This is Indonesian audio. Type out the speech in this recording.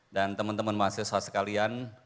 dan teman teman mahasiswa sekalian